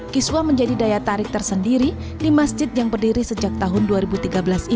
kiswah menjadi daya tarik tersendiri di masjid yang berdiri sejak tahun dua ribu tiga belas ini